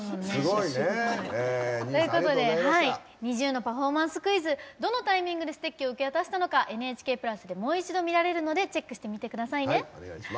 ＮｉｚｉＵのパフォーマンスクイズどのタイミングでステッキを受け渡したのか「ＮＨＫプラス」でもう一度見られるのでチェックしてみてくださいね。